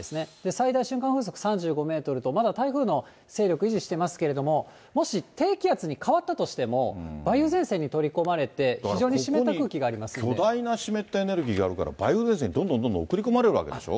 最大瞬間風速３５メートルと、まだ台風の勢力、維持してますけれども、もし低気圧に変わったとしても、梅雨前線に取り込まれて、ここに巨大な湿ったエネルギーがあるから、梅雨前線、どんどんどんどん送り込まれるわけでしょ。